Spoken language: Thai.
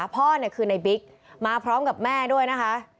พ่อเนี่ยคือในบิ๊กมาพร้อมกับแม่ด้วยนะคะ